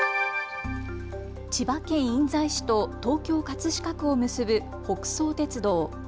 千葉県印西市と東京葛飾区を結ぶ北総鉄道。